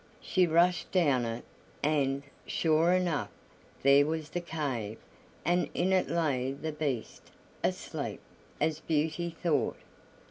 She rushed down it, and, sure enough, there was the cave, and in it lay the Beast asleep, as Beauty thought.